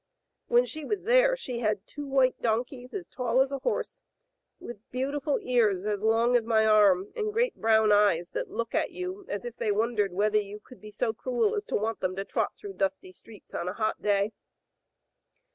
When she was there she had two white donkeys as tall as a horse, with beauri ful ears as long as my arm, and great brown eyes that look at you as if they wondered whether you could be so cruel as to want them to trot through dusty streets on a hot day.